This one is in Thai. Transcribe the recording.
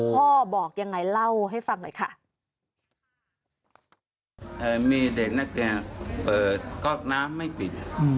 พ่อบอกยังไงเล่าให้ฟังหน่อยค่ะมีเด็กนักเรียนเปิดก๊อกน้ำไม่ปิด